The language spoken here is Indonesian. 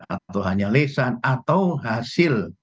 atau hanya lisan atau hasil